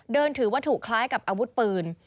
เดินถือว่าถูกคล้ายกับอาวุธปืน